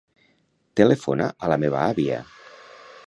Telefona a la meva àvia.